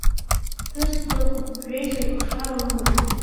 Ԥҳәыск дыҟан, жәеизаҩык ахшара лыман.